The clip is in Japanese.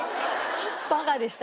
バカでした。